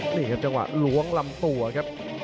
นี่ครับจังหวะล้วงลำตัวครับ